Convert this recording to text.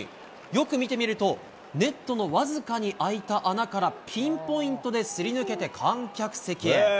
よく見てみると、ネットの僅かに開いた穴からピンポイントですり抜けて観客席へ。